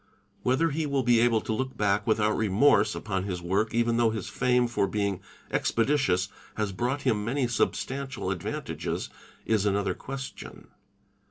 Whether he will be able to look back vithout remorse upon his work even though his fame for being '" expe litious " has brought him many substantial advantages, is another uestion.